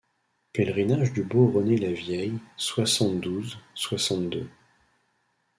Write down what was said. Pèlerinage du beau René Lavieille soixante-douze soixante-deux.